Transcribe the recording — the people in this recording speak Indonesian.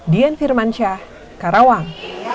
dian firmansyah karawang